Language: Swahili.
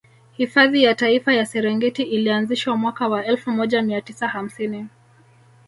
Hifadhi ya Taifa ya Serengeti ilianzishwa mwaka wa elfu moja mia tisa hamsini